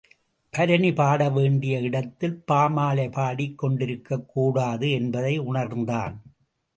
பரணி பாட வேண்டிய இடத்தில் பாமாலை பாடிக் கொண்டிருக்கக்கூடாது என்பதை உணர்ந்தான்.